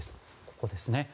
ここですね。